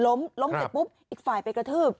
ล้มล้มเสร็จปุ๊บอีกฝ่ายไปกระทืบ